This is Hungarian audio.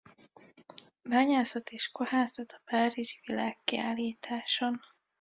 Bányászat és kohászat a párisi világkiállításon.